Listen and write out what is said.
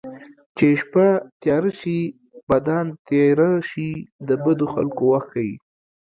چې شپه تیاره شي بدان تېره شي د بدو خلکو وخت ښيي